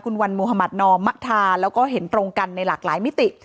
คุณวันมุธมัธนอมมะธาแล้วก็เห็นตรงกันในหลากหลายมิติ